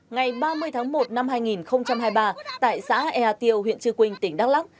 ngày ba mươi tháng một năm hai nghìn hai mươi ba tại xã ea tiêu huyện trư quynh tỉnh đắk lắc